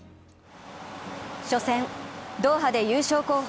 初戦、ドーハで優勝候補